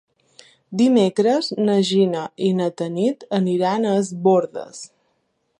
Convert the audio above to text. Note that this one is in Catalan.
Dimecres na Gina i na Tanit aniran a Es Bòrdes.